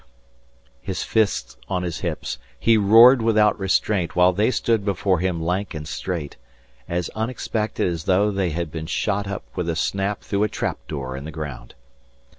His fists on his hips, he roared without restraint while they stood before him lank and straight, as unexpected as though they had been shot up with a snap through a trapdoor in the ground.